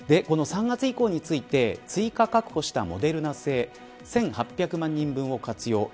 ３月以降について追加確保したモデルナ製１８００万人分を活用。